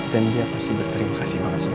dan dia pasti berterima kasih banget semua